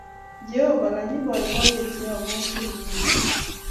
Jehovah kanyii boiboiyet ye abwatin nguno